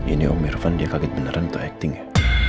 ini om irfan dia kaget beneran untuk acting ya